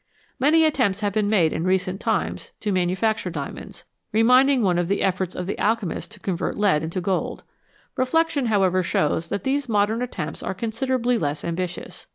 Many attempts have been made in recent times to manufacture diamonds, reminding one of the efforts of alchemists to convert lead into gold. Reflection, how ever, shows that these modern attempts are considerably less ambitious.